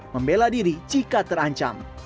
membela diri jika terancam